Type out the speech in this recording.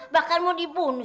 bahkan mau dibunuh